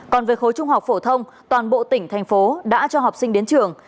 còn về khối trung học phổ thông toàn bộ tỉnh thành phố đã cho học sinh đến trường